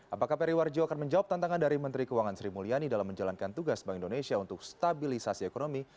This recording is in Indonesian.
apakah periwarjo akan menjawab tantangan dari menteri keuangan sri mulyani dalam menjalankan tugas bank indonesia untuk stabilisasi ekonomi